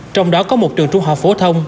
trong đó có một trường trung học phổ thông